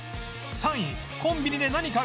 ３位コンビニで何か買う